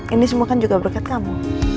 ini semua kan juga berkat kamu